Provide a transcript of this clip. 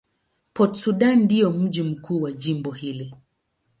Port Sudan ndio mji mkuu wa jimbo hili.